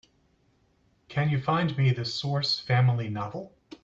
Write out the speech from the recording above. Can you find me The Source Family novel?